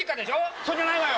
そうじゃないわよ！